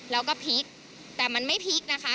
แล้วก็พลิกแต่มันไม่พลิกนะคะ